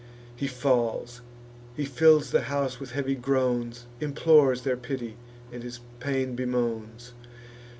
He falls; he fills the house with heavy groans, Implores their pity, and his pain bemoans.